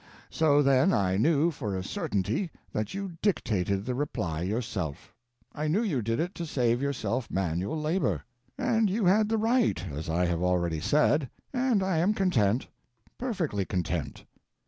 So then I knew for a certainty that you dictated the Reply yourself. I knew you did it to save yourself manual labor. And you had the right, as I have already said and I am content perfectly content.